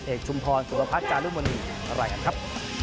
ชุมพรสุรพัฒน์จารุมณีอะไรกันครับ